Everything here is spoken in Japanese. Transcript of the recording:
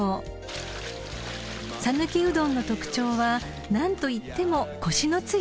［讃岐うどんの特徴は何といってもコシの強さ］